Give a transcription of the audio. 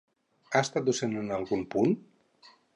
Ha estat docent en algun punt?